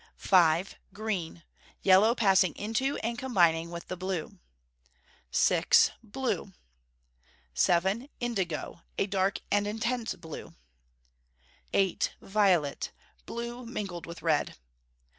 5. Green yellow passing into and combining with the blue. 6. Blue. 7. Indigo a dark and intense blue. 8. Violet blue mingled with red.